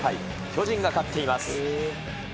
巨人が勝っています。